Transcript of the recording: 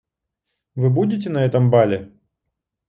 Вы будете на этом бале?